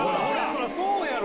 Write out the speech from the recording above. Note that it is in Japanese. そらそうやろ。